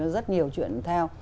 rất nhiều chuyện theo